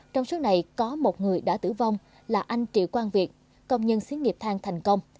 trong số này có một người đã tử vong là anh triệu quang việt công nhân xí nghiệp thang thành công